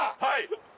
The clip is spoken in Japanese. はい。